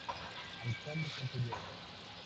Alcaldes anteriores.